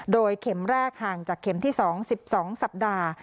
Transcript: โดยเข็มแรกห่างจากเข็มที่๒๑๒สัปดาห์